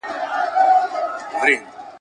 تاریخ ئې ورک سوی دئ.